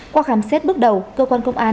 qua khám xét bước đầu cơ quan công an